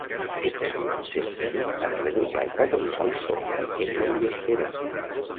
Aquest camp s'estén a través del pla equatorial solar en l'heliosfera.